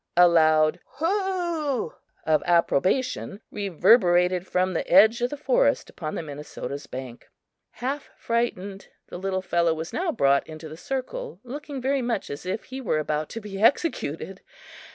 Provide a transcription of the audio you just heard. A loud "Ho o o" of approbation reverberated from the edge of the forest upon the Minnesota's bank. Half frightened, the little fellow was now brought into the circle, looking very much as if he were about to be executed.